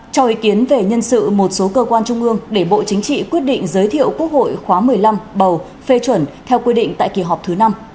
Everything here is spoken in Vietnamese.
cho ý kiến về nhân sự một số cơ quan trung ương để bộ chính trị quyết định giới thiệu quốc hội khóa một mươi năm bầu phê chuẩn theo quy định tại kỳ họp thứ năm